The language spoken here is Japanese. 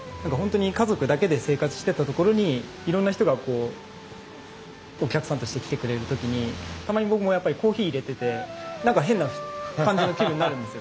家族だけで生活してた所にいろんな人がお客さんとして来てくれる時にたまに僕もコーヒーいれててなんか変な感じの気分になるんですよ。